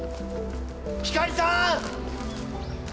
光莉さん！